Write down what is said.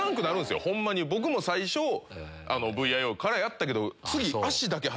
最初ＶＩＯからやったけど。